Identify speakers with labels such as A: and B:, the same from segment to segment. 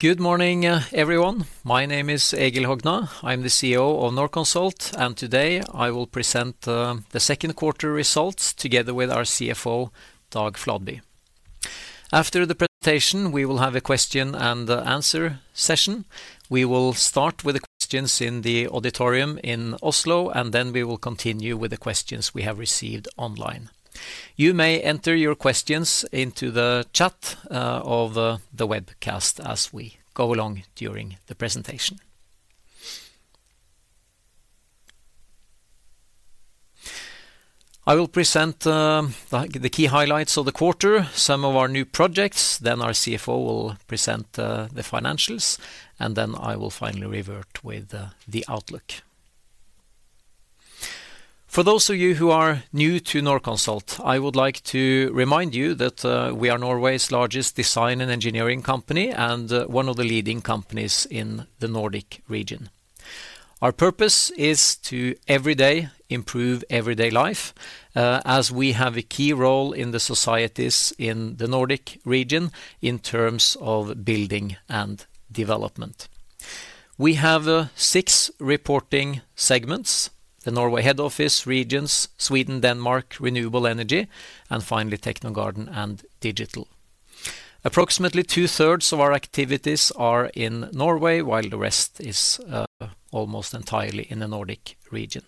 A: Good morning, everyone. My name is Egil Hogna. I'm the CEO of Norconsult, and today I will present the second quarter results together with our CFO, Dag Fladby. After the presentation, we will have a question and answer session. We will start with the questions in the auditorium in Oslo, and then we will continue with the questions we have received online. You may enter your questions into the chat of the webcast as we go along during the presentation. I will present the key highlights of the quarter, some of our new projects, then our CFO will present the financials, and then I will finally revert with the outlook. For those of you who are new to Norconsult, I would like to remind you that we are Norway's largest design and engineering company and one of the leading companies in the Nordic region. Our purpose is to every day improve everyday life as we have a key role in the societies in the Nordic region in terms of building and development. We have six reporting segments: the Norway Head Office, Regions, Sweden, Denmark, Renewable Energy, and finally, Technogarden and Digital. Approximately 2/3 of our activities are in Norway, while the rest is almost entirely in the Nordic region.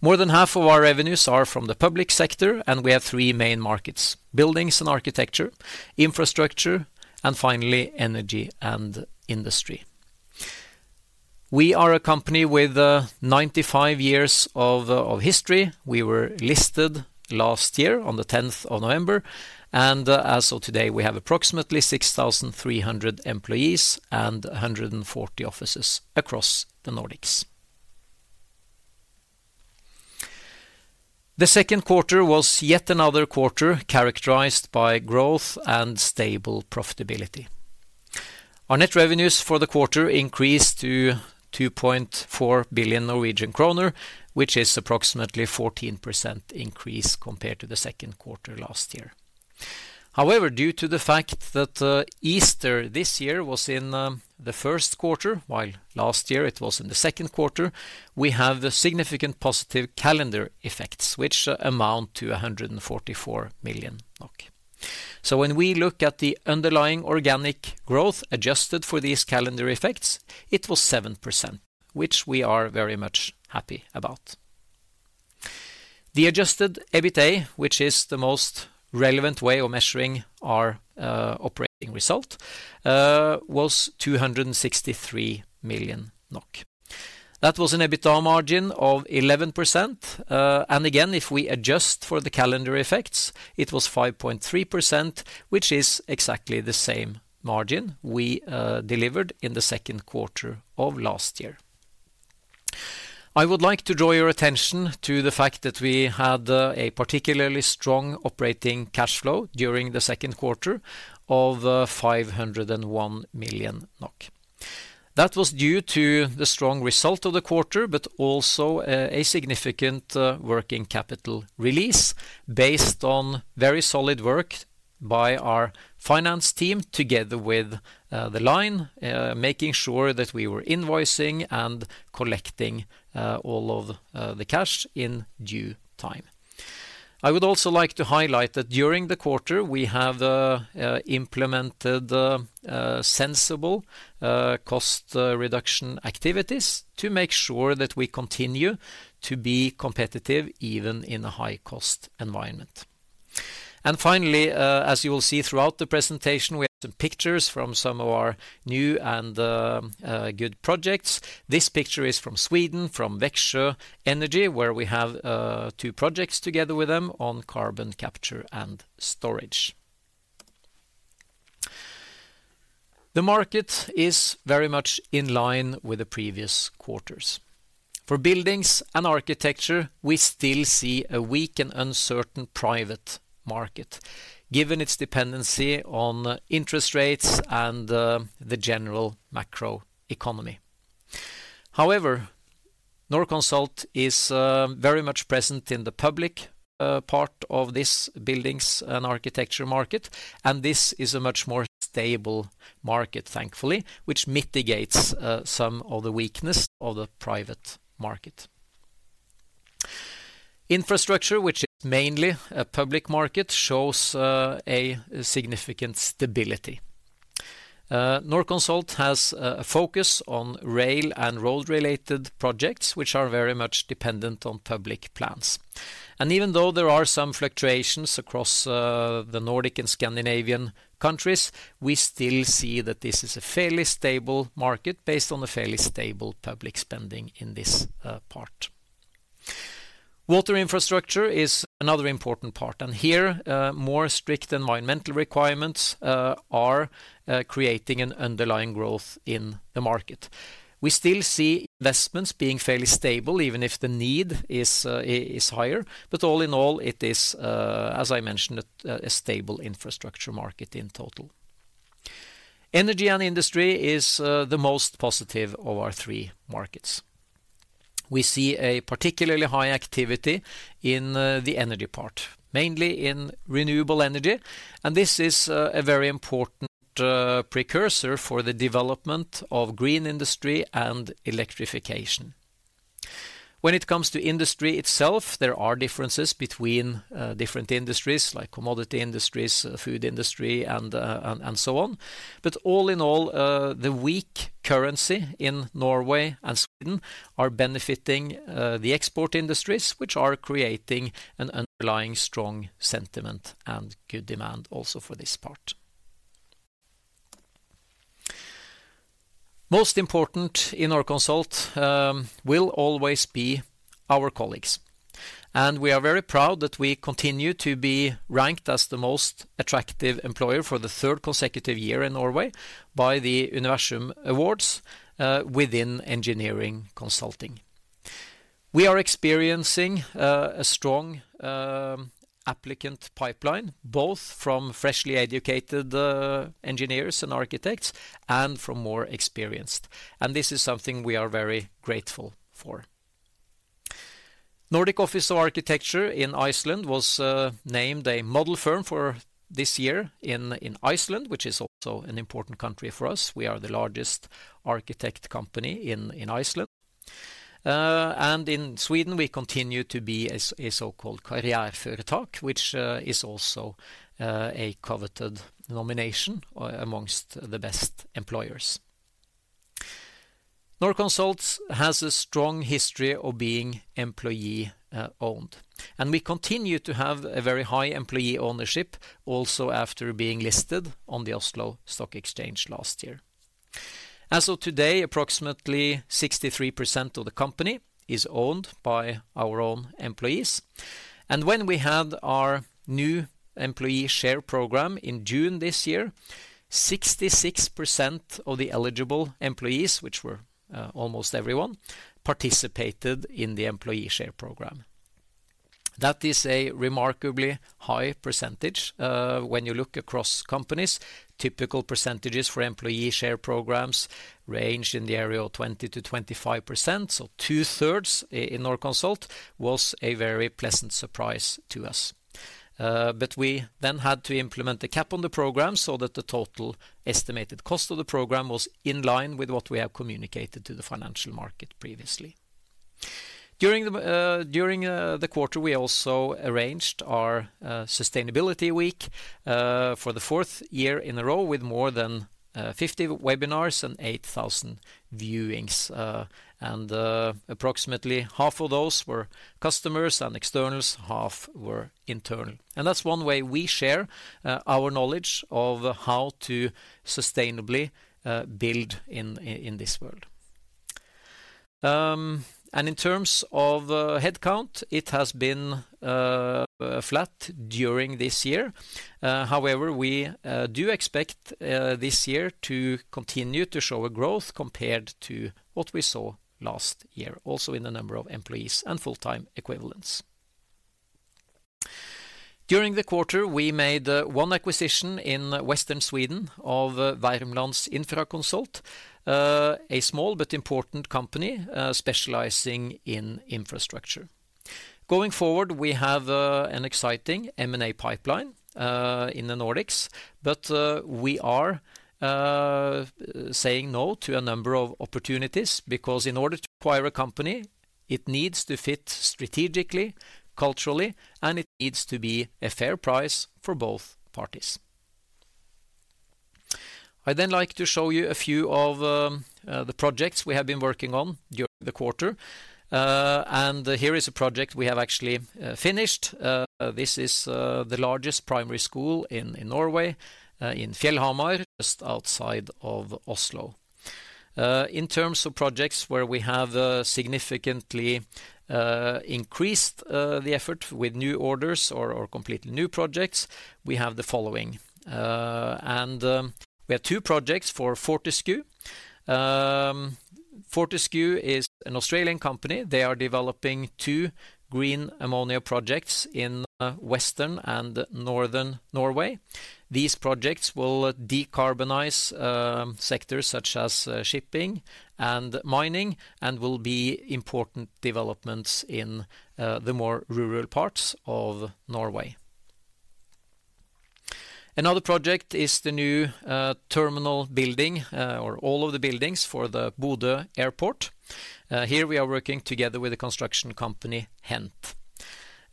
A: More than half of our revenues are from the public sector, and we have three main markets: buildings and architecture, infrastructure, and finally, energy and industry. We are a company with 95 years of history. We were listed last year on the 10th of November, and as of today, we have approximately 6,300 employees and 140 offices across the Nordics. The second quarter was yet another quarter characterized by growth and stable profitability. Our net revenues for the quarter increased to 2.4 billion Norwegian kroner, which is approximately 14% increase compared to the second quarter last year. However, due to the fact that Easter this year was in the first quarter, while last year it was in the second quarter, we have a significant positive calendar effects, which amount to 144 million. So when we look at the underlying organic growth adjusted for these calendar effects, it was 7%, which we are very much happy about. The adjusted EBITA, which is the most relevant way of measuring our operating result, was 263 million NOK. That was an EBITA margin of 11%, and again, if we adjust for the calendar effects, it was 5.3%, which is exactly the same margin we delivered in the second quarter of last year. I would like to draw your attention to the fact that we had a particularly strong operating cash flow during the second quarter of 501 million NOK. That was due to the strong result of the quarter, but also a significant working capital release based on very solid work by our finance team, together with the line making sure that we were invoicing and collecting all of the cash in due time. I would also like to highlight that during the quarter, we have implemented sensible cost reduction activities to make sure that we continue to be competitive, even in a high-cost environment. And finally, as you will see throughout the presentation, we have some pictures from some of our new and good projects. This picture is from Sweden, from Växjö Energi, where we have two projects together with them on carbon capture and storage. The market is very much in line with the previous quarters. For buildings and architecture, we still see a weak and uncertain private market, given its dependency on interest rates and the general macro economy. However, Norconsult is very much present in the public part of this buildings and architecture market, and this is a much more stable market, thankfully, which mitigates some of the weakness of the private market. Infrastructure, which is mainly a public market, shows a significant stability. Norconsult has a focus on rail and road-related projects, which are very much dependent on public plans. And even though there are some fluctuations across the Nordic and Scandinavian countries, we still see that this is a fairly stable market based on a fairly stable public spending in this part. Water infrastructure is another important part, and here, more strict environmental requirements are creating an underlying growth in the market. We still see investments being fairly stable, even if the need is higher. But all in all, it is, as I mentioned, a stable infrastructure market in total. Energy and industry is the most positive of our three markets. We see a particularly high activity in the energy part, mainly in renewable energy, and this is a very important precursor for the development of green industry and electrification. When it comes to industry itself, there are differences between different industries, like commodity industries, food industry, and so on. But all in all, the weak currency in Norway and Sweden are benefiting the export industries, which are creating an underlying strong sentiment and good demand also for this part. Most important in our consultancy will always be our colleagues, and we are very proud that we continue to be ranked as the most attractive employer for the third consecutive year in Norway by the Universum Awards within engineering consulting. We are experiencing a strong applicant pipeline, both from freshly educated engineers and architects and from more experienced, and this is something we are very grateful for. Nordic Office of Architecture in Iceland was named a model firm for this year in Iceland, which is also an important country for us. We are the largest architect company in Iceland. And in Sweden, we continue to be a so-called Karriärföretagen, which is also a coveted nomination amongst the best employers. Norconsult has a strong history of being employee owned, and we continue to have a very high employee ownership also after being listed on the Oslo Stock Exchange last year. As of today, approximately 63% of the company is owned by our own employees, and when we had our new employee share program in June this year, 66% of the eligible employees, which were almost everyone, participated in the employee share program. That is a remarkably high percentage. When you look across companies, typical percentages for employee share programs range in the area of 20%-25%, so 2/3 in Norconsult was a very pleasant surprise to us. But we then had to implement the cap on the program so that the total estimated cost of the program was in line with what we have communicated to the financial market previously. During the quarter, we also arranged our Sustainability Week for the fourth year in a row, with more than 50 webinars and 8,000 viewings. Approximately half of those were customers and externals, half were internal, and that's one way we share our knowledge of how to sustainably build in this world, and in terms of headcount, it has been flat during this year. However, we do expect this year to continue to show a growth compared to what we saw last year, also in the number of employees and full-time equivalents. During the quarter, we made one acquisition in western Sweden of Wermlands Infrakonsult, a small but important company specializing in infrastructure. Going forward, we have an exciting M&A pipeline in the Nordics, but we are saying no to a number of opportunities because in order to acquire a company, it needs to fit strategically, culturally, and it needs to be a fair price for both parties. I'd then like to show you a few of the projects we have been working on during the quarter, and here is a project we have actually finished. This is the largest primary school in Norway in Fjellhamar, just outside of Oslo. In terms of projects where we have significantly increased the effort with new orders or completely new projects, we have the following, and we have two projects for Fortescue. Fortescue is an Australian company. They are developing two green ammonia projects in western and northern Norway. These projects will decarbonize sectors such as shipping and mining and will be important developments in the more rural parts of Norway. Another project is the new terminal building or all of the buildings for the Bodø Airport. Here we are working together with the construction company, HENT.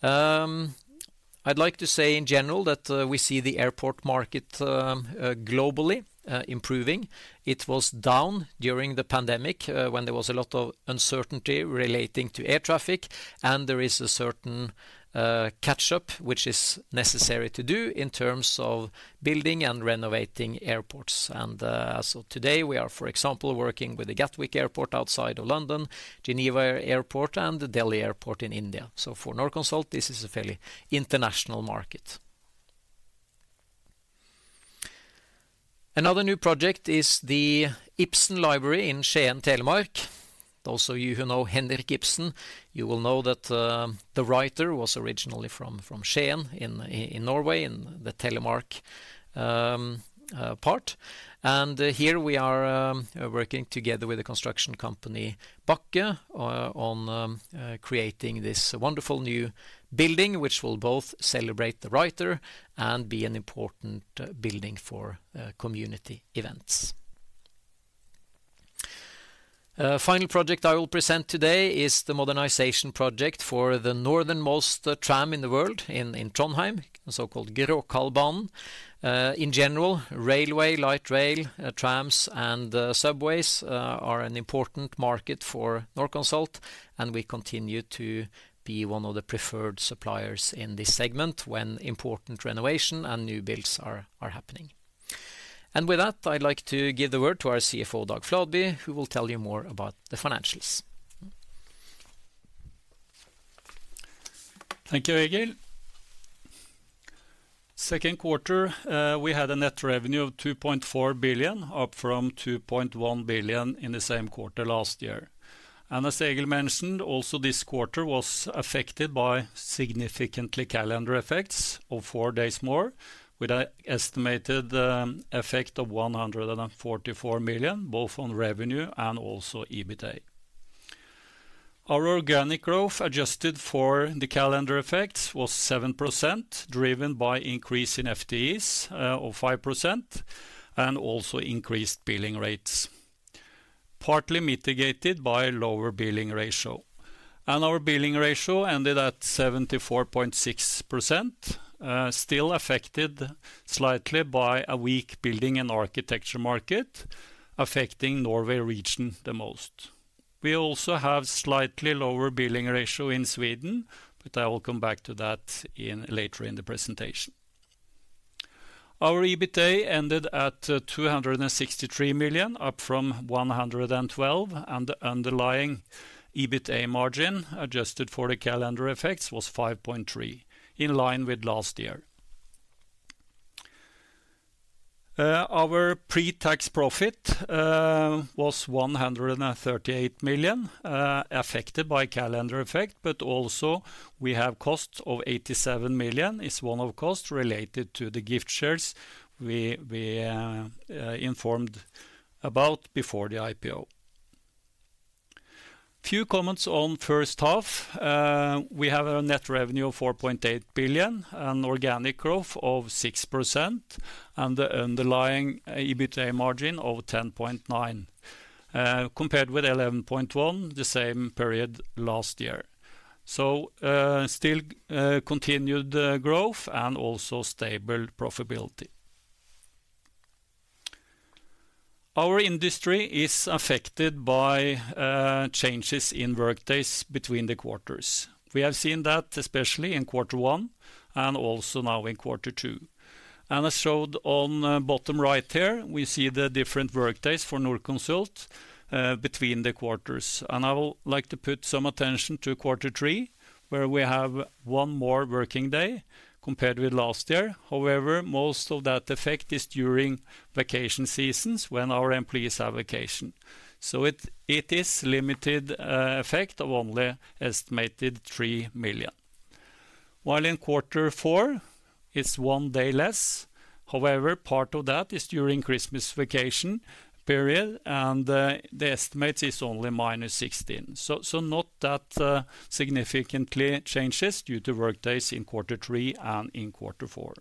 A: I'd like to say in general that we see the airport market globally improving. It was down during the pandemic when there was a lot of uncertainty relating to air traffic, and there is a certain catch-up which is necessary to do in terms of building and renovating airports, and so today we are, for example, working with the Gatwick Airport outside of London, Geneva Airport, and the Delhi Airport in India. So for Norconsult, this is a fairly international market. Another new project is the Ibsen Library in Skien, Telemark. Those of you who know Henrik Ibsen, you will know that the writer was originally from Skien in Norway, in the Telemark part. And here we are working together with the construction company Backe on creating this wonderful new building, which will both celebrate the writer and be an important building for community events. Final project I will present today is the modernization project for the northernmost tram in the world, in Trondheim, the so-called Gråkallbanen. In general, railway, light rail, trams, and subways are an important market for Norconsult, and we continue to be one of the preferred suppliers in this segment when important renovation and new builds are happening. With that, I'd like to give the word to our CFO, Dag Fladby, who will tell you more about the financials.
B: Thank you, Egil. Second quarter we had a net revenue of 2.4 billion, up from 2.1 billion in the same quarter last year. And as Egil mentioned, also, this quarter was affected by significant calendar effects of 4 days more, with an estimated effect of 144 million, both on revenue and also EBITA. Our organic growth, adjusted for the calendar effects, was 7%, driven by increase in FTEs of 5%, and also increased billing rates, partly mitigated by lower billing ratio. And our billing ratio ended at 74.6%, still affected slightly by a weak building and architecture market, affecting Norway Region the most. We also have slightly lower billing ratio in Sweden, but I will come back to that later in the presentation. Our EBITA ended at 263 million, up from 112 million, and the underlying EBITA margin, adjusted for the calendar effects, was 5.3%, in line with last year. Our pre-tax profit was 138 million, affected by calendar effect, but also we have costs of 87 million, is one-off costs related to the gift shares we informed about before the IPO. Few comments on first half. We have a net revenue of 4.8 billion and organic growth of 6%, and the underlying EBITA margin of 10.9%, compared with 11.1%, the same period last year, so still continued growth and also stable profitability. Our industry is affected by changes in workdays between the quarters. We have seen that especially in quarter one and also now in quarter two, and I showed on the bottom right here, we see the different workdays for Norconsult between the quarters, and I will like to put some attention to quarter three, where we have one more working day compared with last year. However, most of that effect is during vacation seasons, when our employees have vacation, so it is limited effect of only estimated 3 million. While in quarter four, it's one day less. However, part of that is during Christmas vacation period, and the estimate is only minus 16 million, so not that significantly changes due to workdays in quarter three and in quarter four.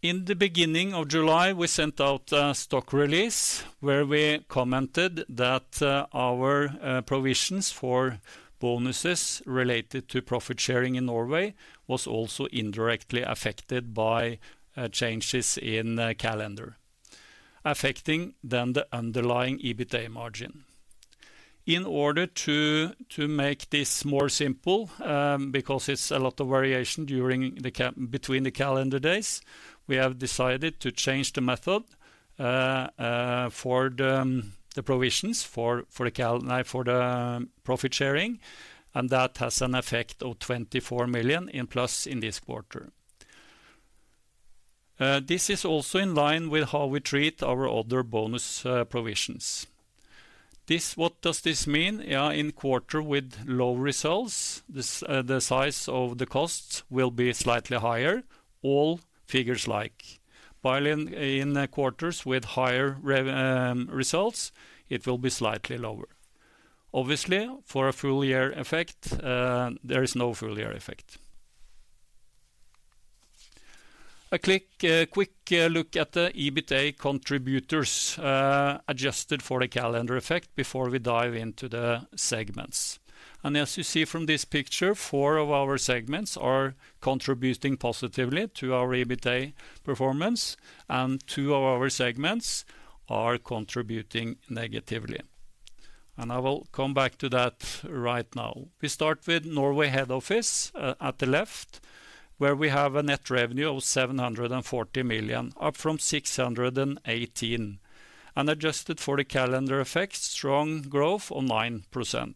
B: In the beginning of July, we sent out a stock release, where we commented that our provisions for bonuses related to profit sharing in Norway was also indirectly affected by changes in the calendar, affecting then the underlying EBITA margin. In order to make this more simple, because it's a lot of variation between the calendar days, we have decided to change the method for the provisions for the profit sharing, and that has an effect of 24 million in plus in this quarter. This is also in line with how we treat our other bonus provisions. What does this mean? Yeah, in quarter with low results, the size of the costs will be slightly higher, all figures like. While in quarters with higher revenue results, it will be slightly lower. Obviously, for a full-year effect, there is no full-year effect. A quick look at the EBITA contributors, adjusted for the calendar effect before we dive into the segments. As you see from this picture, four of our segments are contributing positively to our EBITA performance, and two of our segments are contributing negatively. I will come back to that right now. We start with Norway head office at the left, where we have a net revenue of 740 million, up from 618 million. And adjusted for the calendar effect, strong growth of 9%.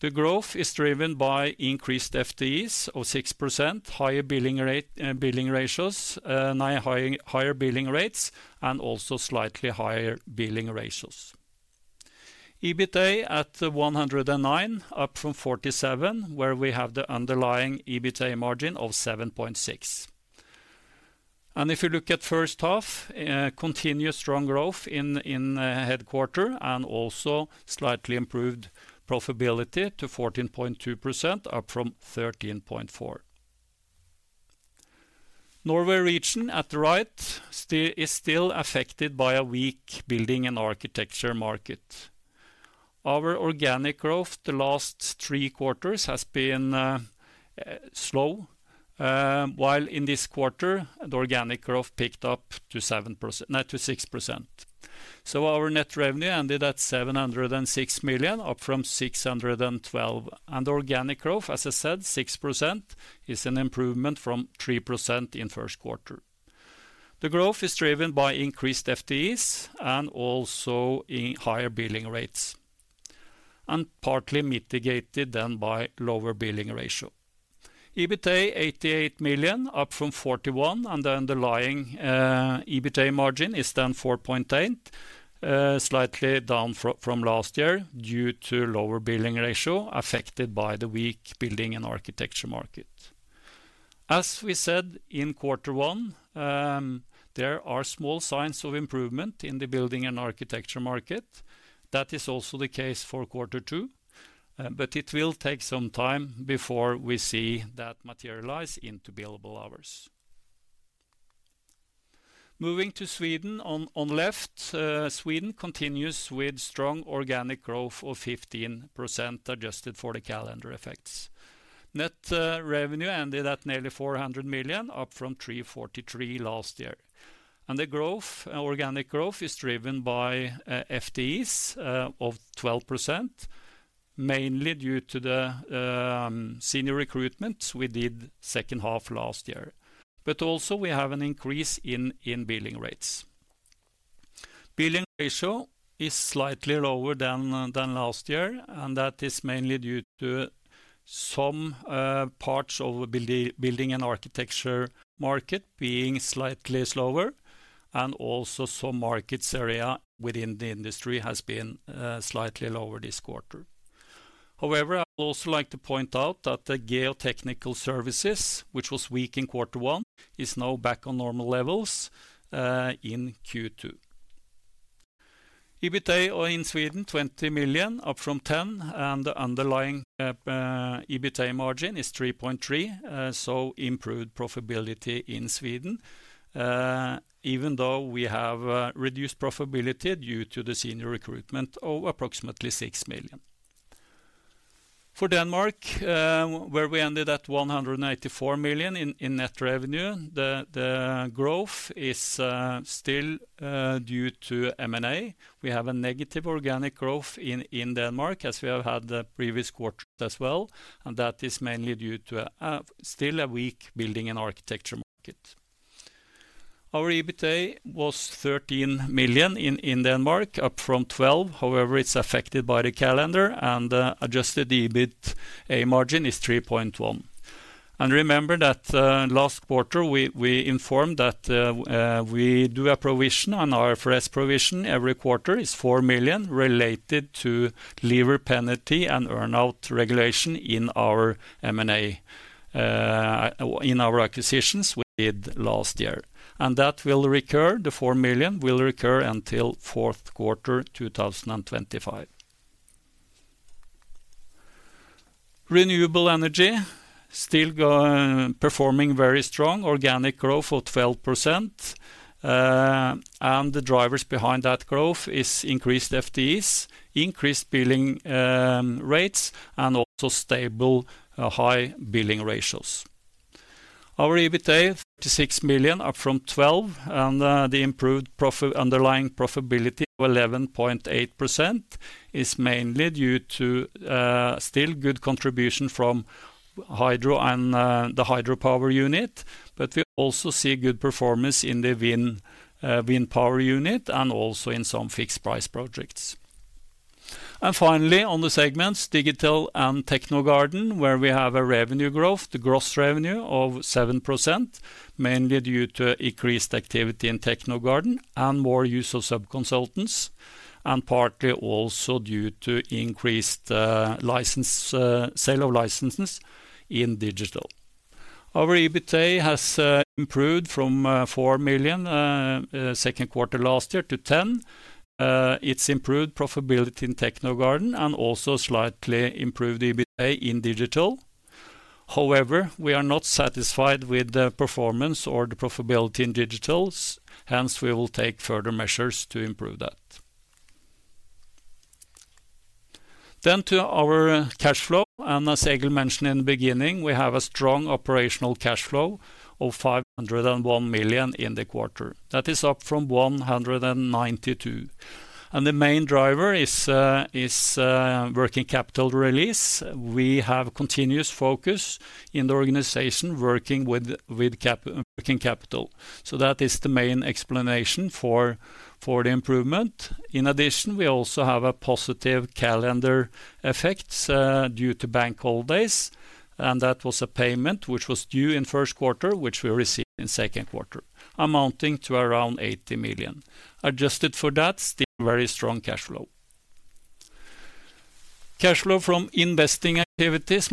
B: The growth is driven by increased FTEs of 6%, higher billing rates 9% higher, and also slightly higher billing ratios. EBITA at 109 million, up from 47 million, where we have the underlying EBITA margin of 7.6%. And if you look at first half, continuous strong growth in headquarters and also slightly improved profitability to 14.2%, up from 13.4%. Norway region, at the right, is affected by a weak building and architecture market. Our organic growth, the last three quarters has been slow, while in this quarter, the organic growth picked up to 7%, no, to 6%. So our net revenue ended at 706 million, up from 612 million, and organic growth, as I said, 6%, is an improvement from 3% in first quarter. The growth is driven by increased FTEs and also in higher billing rates, and partly mitigated then by lower billing ratio. EBITA 88 million, up from 41 million, and the underlying EBITA margin is then 4.8%, slightly down from last year due to lower billing ratio affected by the weak building and architecture market. As we said in quarter one, there are small signs of improvement in the building and architecture market. That is also the case for quarter two, but it will take some time before we see that materialize into billable hours. Moving to Sweden, on the left, Sweden continues with strong organic growth of 15%, adjusted for the calendar effects. Net revenue ended at nearly 400 million, up from 343 million last year. And the growth, organic growth is driven by FTEs of 12%, mainly due to the senior recruitment we did second half last year. But also we have an increase in billing rates. Billing ratio is slightly lower than last year, and that is mainly due to some parts of the building and architecture market being slightly slower and also some market areas within the industry has been slightly lower this quarter. However, I would also like to point out that the geotechnical services, which was weak in quarter one, is now back on normal levels in Q2. EBITA in Sweden 20 million, up from 10 million, and the underlying EBITA margin is 3.3%, so improved profitability in Sweden, even though we have reduced profitability due to the senior recruitment of approximately 6 million. For Denmark, where we ended at 184 million in net revenue, the growth is still due to M&A. We have a negative organic growth in Denmark, as we have had the previous quarter as well, and that is mainly due to still a weak building and architecture market. Our EBITA was 13 million in Denmark, up from 12 million. However, it's affected by the calendar, and adjusted the EBITA margin is 3.1%. And remember that, last quarter, we informed that we do a provision, an IFRS provision, every quarter is 4 million NOK related to leaver penalty and earn-out regulation in our M&A, in our acquisitions we did last year. And that will recur, the 4 million NOK will recur until fourth quarter, 2025. Renewable energy still performing very strong, organic growth of 12%, and the drivers behind that growth is increased FTEs, increased billing rates, and also stable high billing ratios. Our EBITA, 36 million, up from 12 million, and the improved underlying profitability of 11.8% is mainly due to still good contribution from hydro and the hydropower unit, but we also see good performance in the wind power unit and also in some fixed price projects. Finally, on the segments, Digital and Technogarden, where we have a revenue growth, the gross revenue of 7%, mainly due to increased activity in Technogarden and more use of sub-consultants, and partly also due to increased sale of licenses in Digital. Our EBITA has improved from 4 million second quarter last year to 10 million. It's improved profitability in Technogarden and also slightly improved EBITA in Digital. However, we are not satisfied with the performance or the profitability in Digital, hence we will take further measures to improve that. Then to our cash flow, and as Egil mentioned in the beginning, we have a strong operational cash flow of 501 million in the quarter. That is up from 192 million. And the main driver is working capital release. We have continuous focus in the organization, working with working capital. So that is the main explanation for the improvement. In addition, we also have positive calendar effects due to bank holidays, and that was a payment which was due in first quarter, which we received in second quarter, amounting to around 80 million. Adjusted for that, still very strong cash flow. Cash flow from investing activities, -20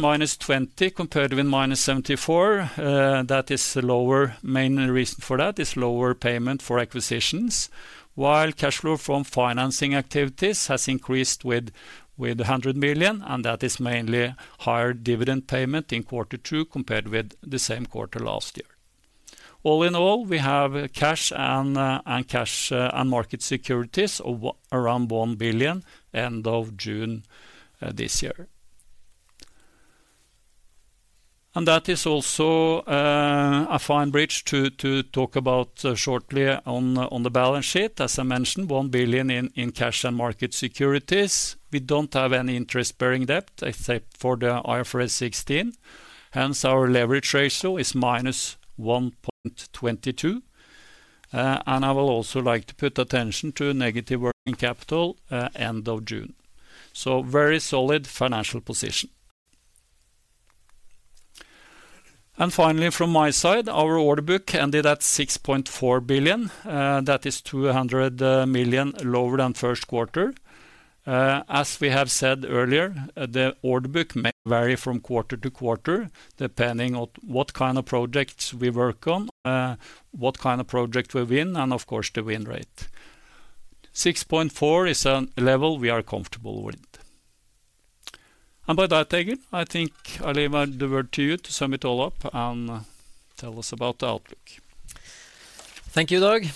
B: million compared with -74 million, that is lower. Main reason for that is lower payment for acquisitions. While cash flow from financing activities has increased with 100 million, and that is mainly higher dividend payment in quarter two compared with the same quarter last year. All in all, we have cash and cash equivalents and marketable securities of around 1 billion end of June this year. That is also a fine bridge to talk about shortly on the balance sheet. As I mentioned, 1 billion in cash and marketable securities. We don't have any interest-bearing debt except for the IFRS 16, hence our leverage ratio is -1.22%. I will also like to put attention to negative working capital, end of June, so very solid financial position. And finally, from my side, our order book ended at 6.4 billion, that is 200 million lower than first quarter. As we have said earlier, the order book may vary from quarter to quarter, depending on what kind of projects we work on, what kind of project we win, and of course, the win rate. 6.4% is a level we are comfortable with. And by that, Egil, I think I leave the word to you to sum it all up and tell us about the outlook.
A: Thank you, Dag.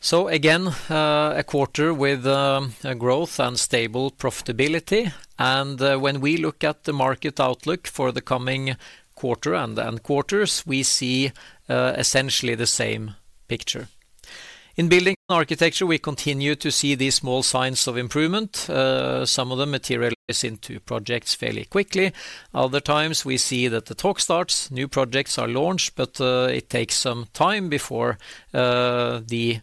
A: So again, a quarter with a growth and stable profitability, and when we look at the market outlook for the coming quarter and the ensuing quarters, we see essentially the same picture. In building and architecture, we continue to see these small signs of improvement. Some of them materialize into projects fairly quickly. Other times, we see that the talk starts, new projects are launched, but it takes some time before the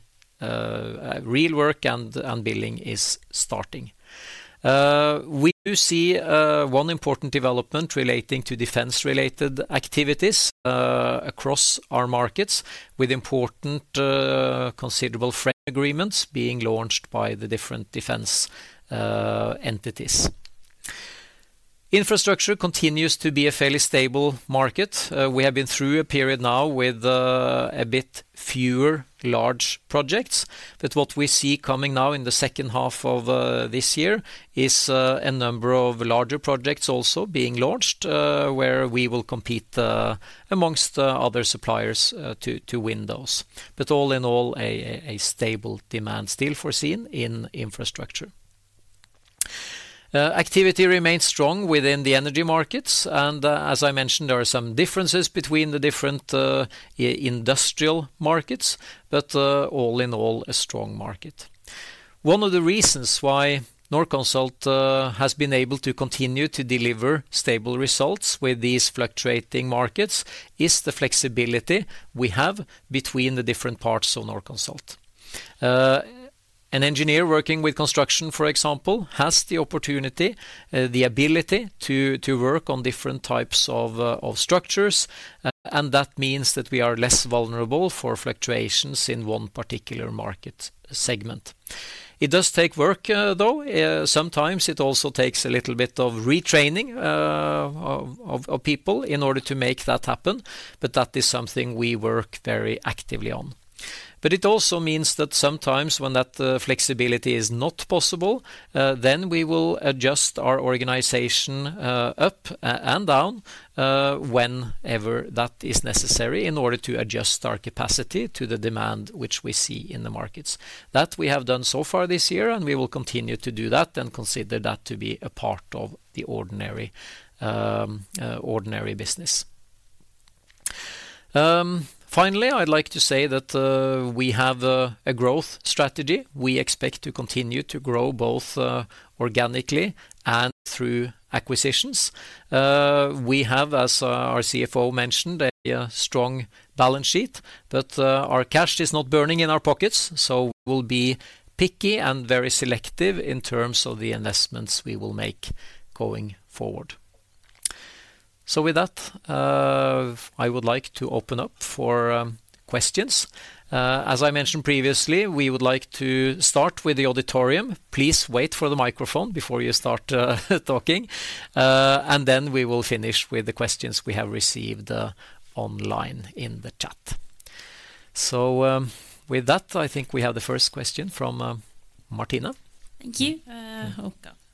A: real work and building is starting. We do see one important development relating to defense-related activities across our markets with important considerable framework agreements being launched by the different defense entities. Infrastructure continues to be a fairly stable market. We have been through a period now with a bit fewer large projects, but what we see coming now in the second half of this year is a number of larger projects also being launched, where we will compete amongst other suppliers to win those, but all in all, a stable demand still foreseen in infrastructure. Activity remains strong within the energy markets, and as I mentioned, there are some differences between the different industrial markets, but all in all, a strong market. One of the reasons why Norconsult has been able to continue to deliver stable results with these fluctuating markets is the flexibility we have between the different parts of Norconsult. An engineer working with construction, for example, has the opportunity, the ability to work on different types of structures, and that means that we are less vulnerable for fluctuations in one particular market segment. It does take work, though. Sometimes it also takes a little bit of retraining of people in order to make that happen, but that is something we work very actively on. But it also means that sometimes when that flexibility is not possible, then we will adjust our organization up and down whenever that is necessary in order to adjust our capacity to the demand which we see in the markets. That we have done so far this year, and we will continue to do that and consider that to be a part of the ordinary business. Finally, I'd like to say that we have a growth strategy. We expect to continue to grow both organically and through acquisitions. We have, as our CFO mentioned, a strong balance sheet, but our cash is not burning in our pockets, so we'll be picky and very selective in terms of the investments we will make going forward. So with that, I would like to open up for questions. As I mentioned previously, we would like to start with the auditorium. Please wait for the microphone before you start talking, and then we will finish with the questions we have received online in the chat. So with that, I think we have the first question from Martine.
C: Thank you.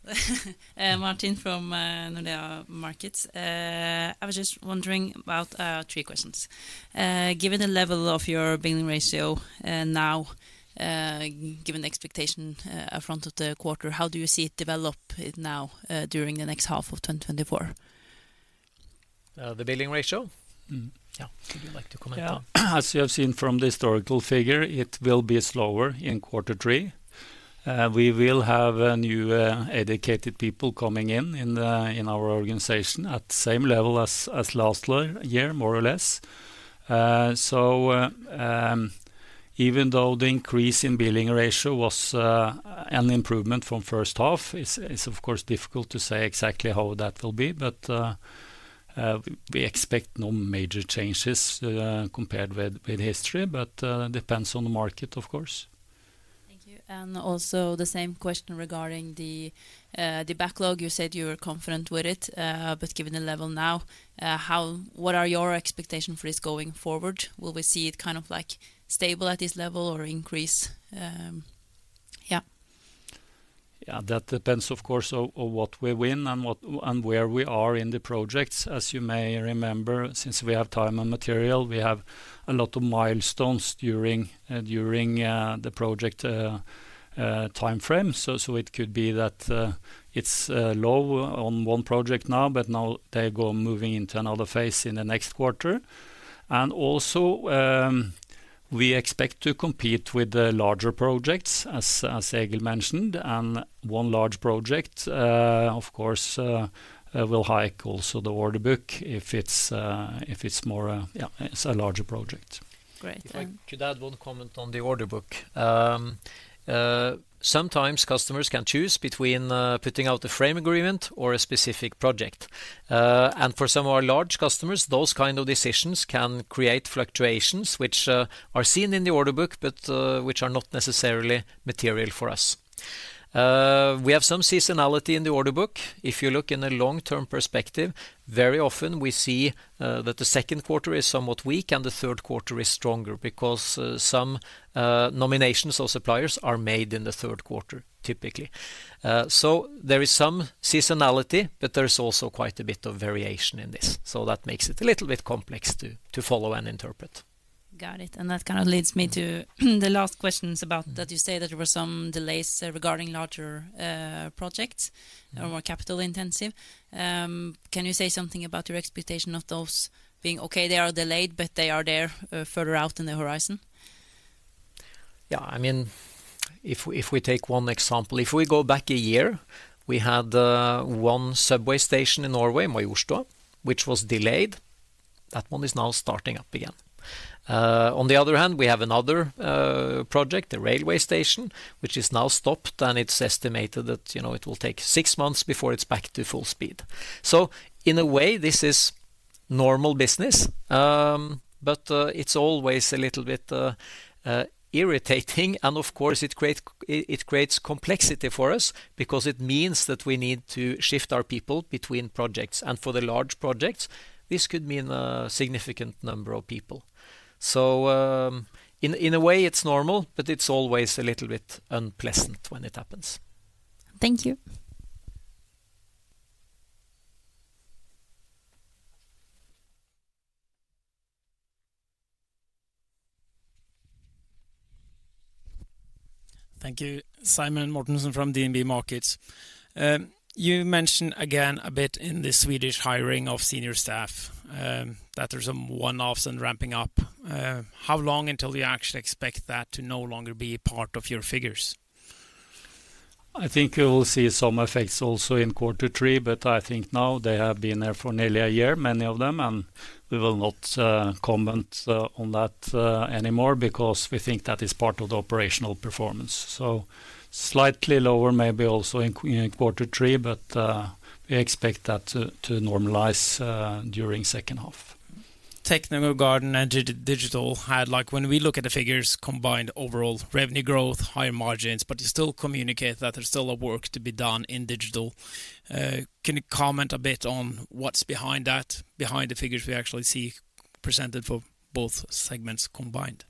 C: Okay. Martine from Nordea Markets. I was just wondering about three questions. Given the level of your billing ratio now, given the expectation front of the quarter, how do you see it develop now during the next half of 2024?
B: The billing ratio?
A: Mm-hmm. Yeah, would you like to comment on-
B: Yeah, as you have seen from the historical figure, it will be slower in quarter three. We will have new educated people coming in, in the, in our organization at the same level as last year, more or less. So, even though the increase in billing ratio was an improvement from first half, it's of course difficult to say exactly how that will be, but we expect no major changes compared with history, but depends on the market, of course.
C: Thank you. And also the same question regarding the backlog. You said you were confident with it, but given the level now, what are your expectations for this going forward? Will we see it kind of, like, stable at this level or increase? Yeah.
B: Yeah, that depends, of course, on what we win and where we are in the projects. As you may remember, since we have time and material, we have a lot of milestones during the project timeframe. So it could be that it's low on one project now, but now they go moving into another phase in the next quarter. And also, we expect to compete with the larger projects, as Egil mentioned, and one large project, of course, will hike also the order book if it's more, yeah, it's a larger project.
C: Great, thank.
A: If I could add one comment on the order book. Sometimes customers can choose between putting out a frame agreement or a specific project, and for some of our large customers, those kind of decisions can create fluctuations, which are seen in the order book, but which are not necessarily material for us. We have some seasonality in the order book. If you look in the long-term perspective, very often we see that the second quarter is somewhat weak and the third quarter is stronger because some nominations or suppliers are made in the third quarter, typically, so there is some seasonality, but there is also quite a bit of variation in this, so that makes it a little bit complex to follow and interpret.
C: Got it. And that kind of leads me to the last questions about that you say that there were some delays regarding larger, projects or more capital intensive. Can you say something about your expectation of those being okay? They are delayed, but they are there, further out in the horizon.
A: Yeah, I mean, if we, if we take one example, if we go back a year, we had one subway station in Norway, Majorstuen, which was delayed. That one is now starting up again. On the other hand, we have another project, the railway station, which is now stopped, and it's estimated that, you know, it will take six months before it's back to full speed. So in a way, this is normal business, but it's always a little bit irritating. And of course, it creates complexity for us because it means that we need to shift our people between projects, and for the large projects, this could mean a significant number of people. So, in a way, it's normal, but it's always a little bit unpleasant when it happens.
C: Thank you.
D: Thank you. Simen Mortensen from DNB Markets. You mentioned again, a bit in the Swedish hiring of senior staff, that there's some one-offs and ramping up. How long until you actually expect that to no longer be part of your figures?
A: I think you will see some effects also in quarter three, but I think now they have been there for nearly a year, many of them, and we will not comment on that anymore because we think that is part of the operational performance. So slightly lower, maybe also in quarter three, but we expect that to normalize during second half.
D: Technogarden and Digital had, like, when we look at the figures, combined overall revenue growth, higher margins, but you still communicate that there's still a work to be done in Digital. Can you comment a bit on what's behind that, behind the figures we actually see presented for both segments combined?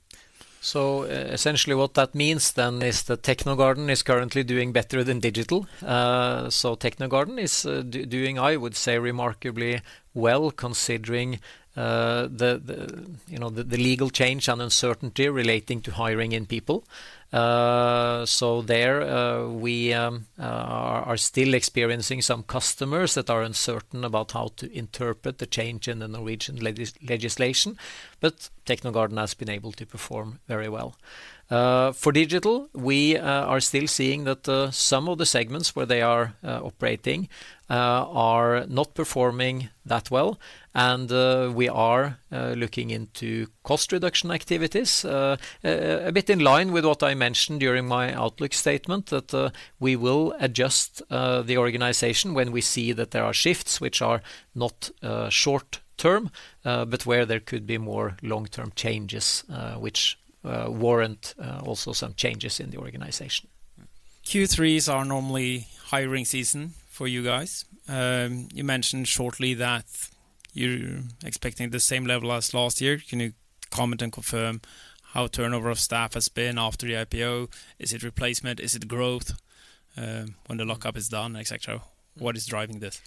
A: So essentially what that means then is that Technogarden is currently doing better than Digital. So Technogarden is doing, I would say, remarkably well, considering the you know the legal change and uncertainty relating to hiring in people. So there we are still experiencing some customers that are uncertain about how to interpret the change in the Norwegian legislation, but Technogarden has been able to perform very well. For Digital, we are still seeing that some of the segments where they are operating are not performing that well, and we are looking into cost reduction activities. A bit in line with what I mentioned during my outlook statement, that we will adjust the organization when we see that there are shifts which are not short-term, but where there could be more long-term changes, which warrant also some changes in the organization.
D: Q3s are normally hiring season for you guys. You mentioned shortly that you're expecting the same level as last year. Can you comment and confirm how turnover of staff has been after the IPO? Is it replacement? Is it growth, when the lock-up is done, et cetera? What is driving this?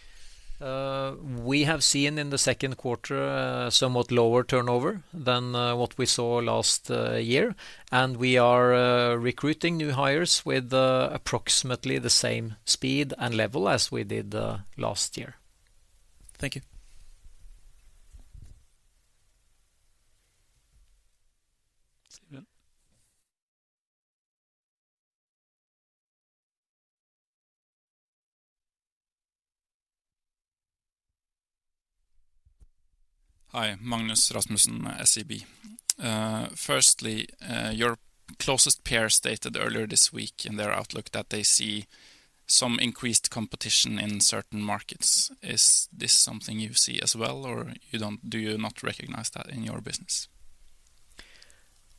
A: We have seen in the second quarter somewhat lower turnover than what we saw last year, and we are recruiting new hires with approximately the same speed and level as we did last year.
D: Thank you.
E: Hi. Magnus Rasmussen, SEB. Firstly, your closest peer stated earlier this week in their outlook that they see some increased competition in certain markets. Is this something you see as well, or do you not recognize that in your business?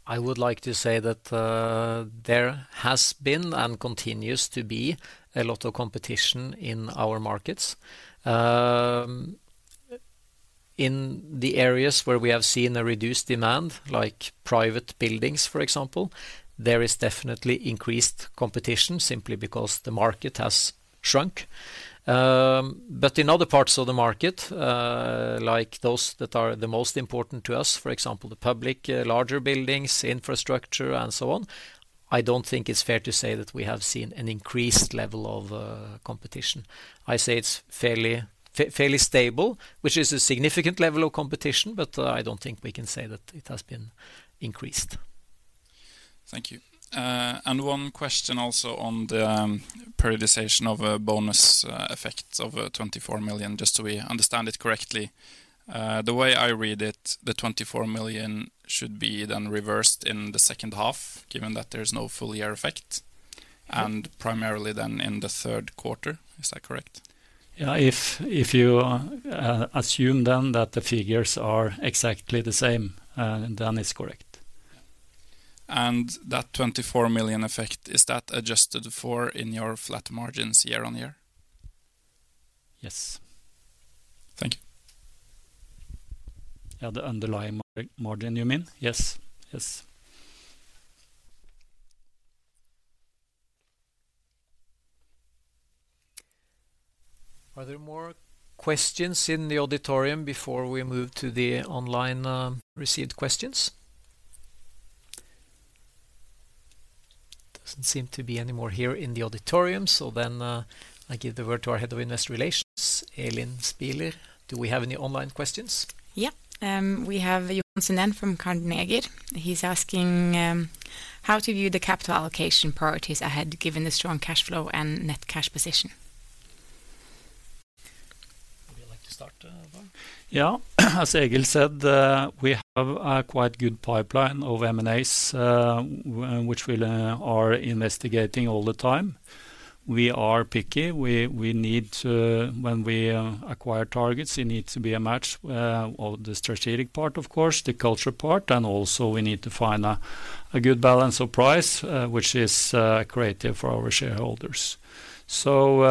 A: I would like to say that there has been, and continues to be, a lot of competition in our markets. In the areas where we have seen a reduced demand, like private buildings, for example, there is definitely increased competition simply because the market has shrunk. But in other parts of the market, like those that are the most important to us, for example, the public, larger buildings, infrastructure, and so on, I don't think it's fair to say that we have seen an increased level of competition. I say it's fairly stable, which is a significant level of competition, but I don't think we can say that it has been increased.
E: Thank you. And one question also on the periodization of a bonus effect of 24 million, just so we understand it correctly. The way I read it, the 24 million should be then reversed in the second half, given that there's no full year effect, and primarily then in the third quarter. Is that correct?
B: Yeah, if you assume then that the figures are exactly the same, then it's correct.
E: Yeah. And that 24 million effect, is that adjusted for in your flat margins year on year?
B: Yes.
E: Thank you.
B: Yeah, the underlying margin, you mean? Yes. Yes.
A: Are there more questions in the auditorium before we move to the online, received questions? Doesn't seem to be any more here in the auditorium, so then, I give the word to our Head of Investor Relations, Elin Spieler. Do we have any online questions?
F: Yeah. We have Bengt Jonassen from Carnegie. He's asking: How to view the capital allocation priorities ahead, given the strong cash flow and net cash position?
A: Would you like to start, Dag?
B: Yeah. As Egil said, we have a quite good pipeline of M&As, which we are investigating all the time. We are picky. We need to. When we acquire targets, it needs to be a match of the strategic part, of course, the culture part, and also we need to find a good balance of price, which is creative for our shareholders. So,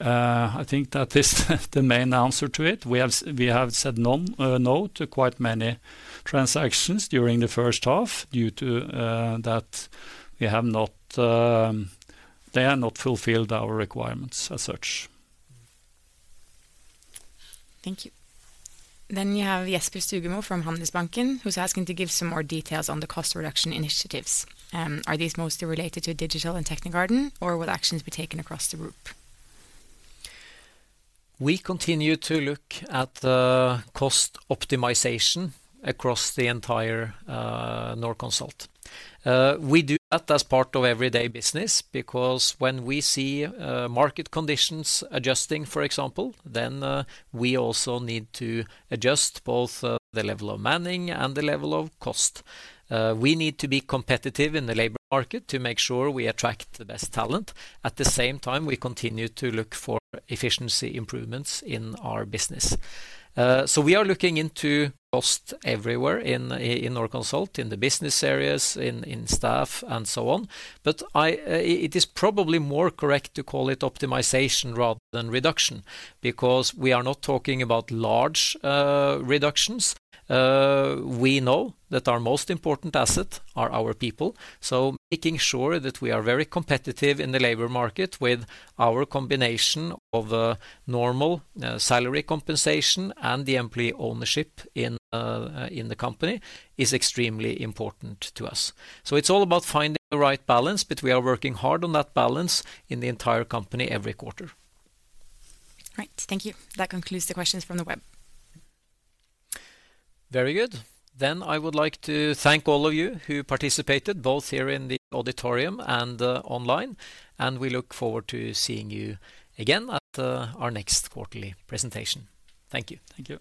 B: I think that is the main answer to it. We have said no to quite many transactions during the first half due to that we have not, they have not fulfilled our requirements as such.
F: Thank you. Then you have Jesper Gustafsson from Handelsbanken, who's asking to give some more details on the cost reduction initiatives. Are these mostly related to digital and Technogarden, or will actions be taken across the group?
A: We continue to look at the cost optimization across the entire Norconsult. We do that as part of everyday business because when we see market conditions adjusting, for example, then we also need to adjust both the level of manning and the level of cost. We need to be competitive in the labor market to make sure we attract the best talent. At the same time, we continue to look for efficiency improvements in our business. So we are looking into cost everywhere in Norconsult, in the business areas, in staff, and so on. But it is probably more correct to call it optimization rather than reduction, because we are not talking about large reductions. We know that our most important asset are our people, so making sure that we are very competitive in the labor market with our combination of normal salary compensation and the employee ownership in the company is extremely important to us. It's all about finding the right balance, but we are working hard on that balance in the entire company every quarter.
F: All right. Thank you. That concludes the questions from the web.
A: Very good. Then I would like to thank all of you who participated, both here in the auditorium and online, and we look forward to seeing you again at our next quarterly presentation. Thank you.
B: Thank you.